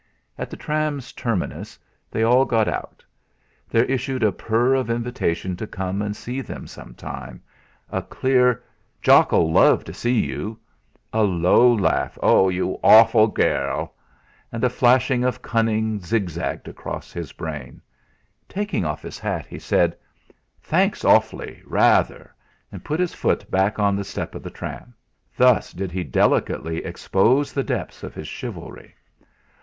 At the tram's terminus they all got out. There issued a purr of invitation to come and see them some time; a clear: "Jock'll love to see you!" A low laugh: "You awful gairl!" And a flash of cunning zigzagged across his brain. Taking off his hat, he said: "Thanks awfully; rather!" and put his foot back on the step of the tram. Thus did he delicately expose the depths of his chivalry!